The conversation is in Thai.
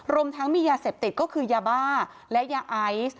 รวมทั้งมียาเสพติดก็คือยาบ้าและยาไอซ์